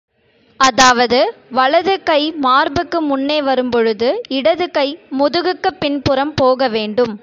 அதாவது வலதுகை மார்புக்கு முன்னே வரும் பொழுது, இடது கை முதுகுக்குப் பின்புறம் போக வேண்டும்.